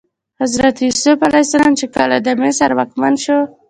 حضرت یوسف علیه السلام چې کله د مصر واکمن شو.